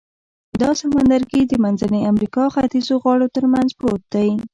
دا سمندرګي د منځنۍ امریکا ختیځو غاړو تر منځ پروت دی.